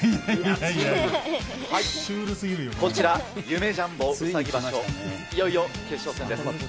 シュールすぎこちら、夢・ジャンボうさぎ場所、いよいよ決勝戦です。